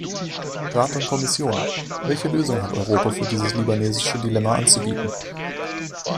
Rat und Kommission, welche Lösung hat Europa für dieses libanesische Dilemma anzubieten?